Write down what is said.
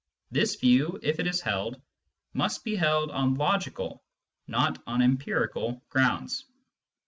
This view, if it is held, must be held on logical, not on empirical, grounds.